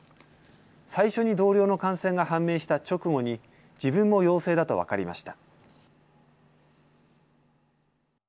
最初に同僚の感染が判明した直後に自分も陽性だと分かりました。